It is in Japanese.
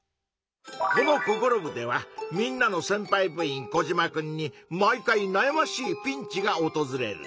この「ココロ部！」ではみんなのせんぱい部員コジマくんに毎回なやましいピンチがおとずれる。